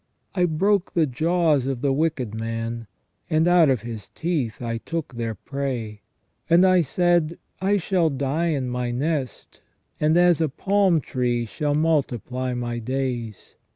I broke the jaws of the wicked man ; and out of his teeth I took the prey. And I said : I shall die in my nest, and as a palm tree shall multiply my days.